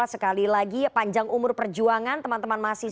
sekali lagi panjang umur perjuangan teman teman mahasiswa